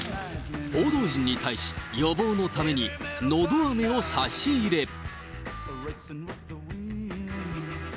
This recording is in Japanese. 報道陣に対し、予防のために、のどあめを差し入れ。